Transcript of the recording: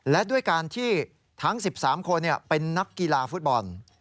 และด้วยการที่ทั้ง๑๓คนเป็นนักกีฬาฟุตบอล